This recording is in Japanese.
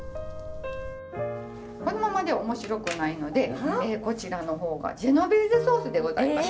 このままでは面白くないのでこちらの方がジェノベーゼソースでございます。